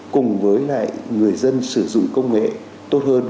cùng với lại người dân sử dụng công nghệ tốt hơn